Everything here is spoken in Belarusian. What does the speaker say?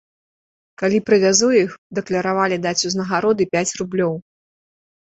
Калі прывязу іх, дакляравалі даць узнагароды пяць рублёў.